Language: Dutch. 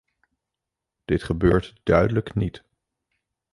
Dit gebeurt duidelijk niet.